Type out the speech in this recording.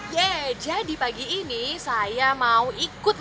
yeah jadi pagi ini saya mau ikut lho